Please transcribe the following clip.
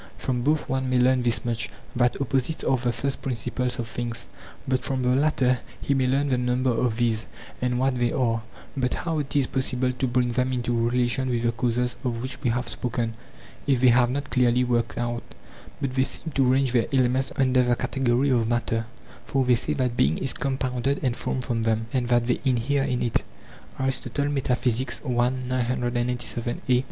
From both one may learn this much, that opposites are the first principles of things; but from the latter he may learn the number of these, and what they are. But how it is possible to bring them into relation with the causes of which we have spoken if they have not clearly worked out; but they seem to range their elements under the category of matter, for they say that being is compounded and formed from them, and that they inhere in it.